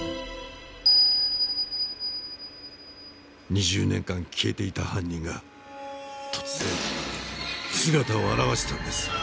２０年間消えていた犯人が突然姿を現したんです。